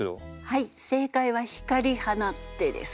はい正解は「光放つて」です。